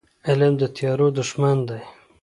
علم د تیارو دښمن دی.